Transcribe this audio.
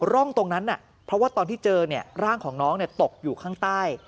ร่องตรงนั้นเพราะว่าตอนที่เจอร่างของน้องตกอยู่ข้างใต้